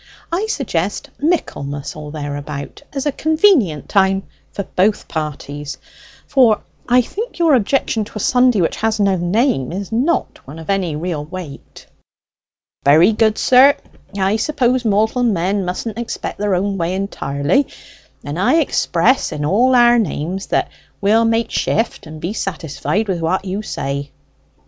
I suggest Michaelmas or thereabout as a convenient time for both parties; for I think your objection to a Sunday which has no name is not one of any real weight." "Very good, sir. I suppose mortal men mustn't expect their own way entirely; and I express in all our names that we'll make shift and be satisfied with what you say."